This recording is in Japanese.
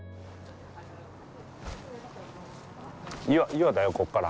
岩だよこっから。